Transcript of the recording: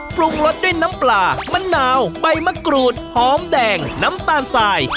ปรุงรสด้วยน้ำปลามะนาวใบมะกรูดหอมแดงน้ำตาลสาย